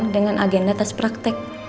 dengan agenda tes praktek